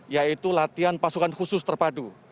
yaitu latihan pasukan khusus terpadu